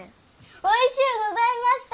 おいしゅうございました。